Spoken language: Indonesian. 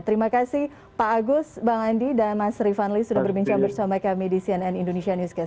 terima kasih pak agus bang andi dan mas rifanli sudah berbincang bersama kami di cnn indonesia newscast